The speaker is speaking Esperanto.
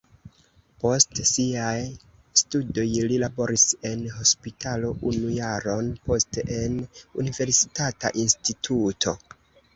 Post siaj studoj li laboris en hospitalo unu jaron, poste en universitata instituto.